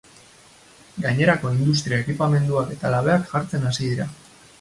Gainerako industria-ekipamenduak eta labeak jartzen hasi dira.